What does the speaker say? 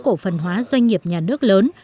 cổ phần hóa doanh nghiệp nhà nước lớn